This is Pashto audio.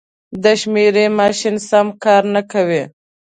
د شمېر ماشین سم کار نه کوي.